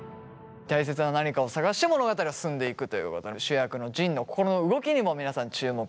たいせつな何かを探して物語は進んでいくということで主役の仁の心の動きにも皆さん注目して見てみてください。